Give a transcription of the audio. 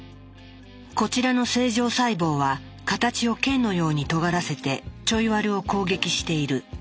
こちらの正常細胞は形を剣のようにとがらせてちょいワルを攻撃している。